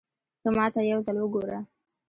ته ماته يو ځل وګوره